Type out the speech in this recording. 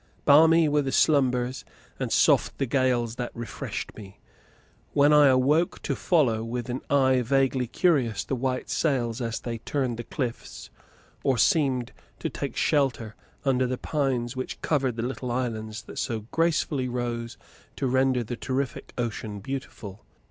Balmy were the slumbers, and soft the gales, that refreshed me, when I awoke to follow, with an eye vaguely curious, the white sails, as they turned the cliffs, or seemed to take shelter under the pines which covered the little islands that so gracefully rose to render the terrific ocean beautiful.